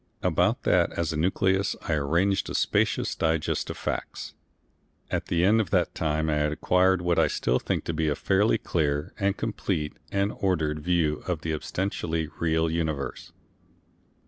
About that as a nucleus I arranged a spacious digest of facts. At the end of that time I had acquired what I still think to be a fairly clear, and complete and ordered view of the ostensibly real universe.